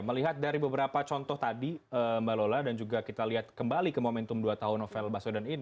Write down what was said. melihat dari beberapa contoh tadi mbak lola dan juga kita lihat kembali ke momentum dua tahun novel baswedan ini